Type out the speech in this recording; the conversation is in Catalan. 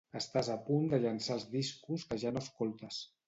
Estàs a punt de llençar els discos que ja no escoltes.